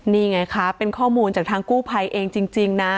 นี่ไงคะเป็นข้อมูลจากทางกู้ภัยเองจริงนะ